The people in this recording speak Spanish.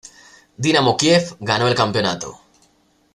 Dinamo Kiev ganó el campeonato.